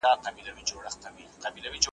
له عيسى څخه يوچـــــــا وکــــړه پــــوښتنه